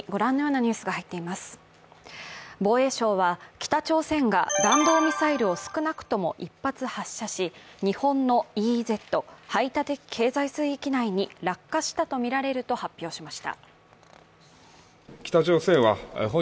防衛省は北朝鮮が弾道ミサイルを少なくとも１発発射し、日本のＥＥＺ＝排他的経済水域内に落下したとみられると発表しました。